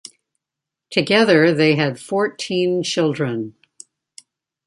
Together they had fourteen children.